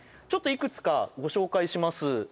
ちょっといくつかご紹介します